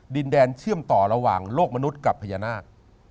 ดินแดนเชื่อมต่อระหว่างโลกมนุษย์กับพญานาค